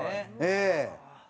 ええ。